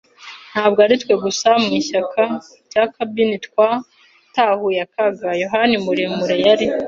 Ntabwo ari twe gusa mu ishyaka rya cabin twatahuye akaga. Yohani muremure yari